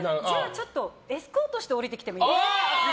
ちょっとエスコートして降りていいですか。